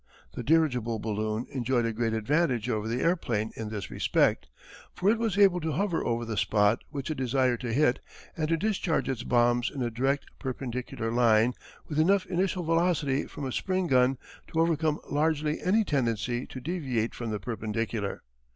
The dirigible balloon enjoyed a great advantage over the airplane in this respect, for it was able to hover over the spot which it desired to hit and to discharge its bombs in a direct perpendicular line with enough initial velocity from a spring gun to overcome largely any tendency to deviate from the perpendicular.